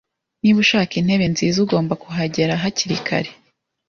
Niba ushaka intebe nziza, ugomba kuhagera hakiri kare.